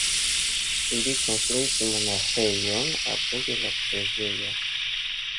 Ili konstruis monaĥejon apud la preĝejo.